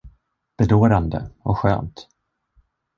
Bedårande och skönt!